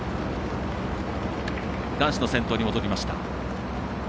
男子の先頭に戻りました。